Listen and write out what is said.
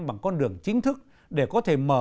bằng con đường chính thức để có thể mở